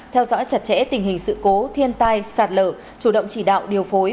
theo dõi chặt chẽ tình hình sự cố thiên tai sạt lở chủ động chỉ đạo điều phối